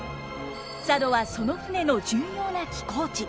佐渡はその船の重要な寄港地。